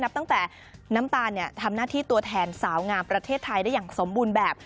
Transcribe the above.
ตั้งแต่น้ำตาลทำหน้าที่ตัวแทนสาวงามประเทศไทยได้อย่างสมบูรณ์แบบ